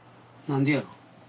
何でやろ？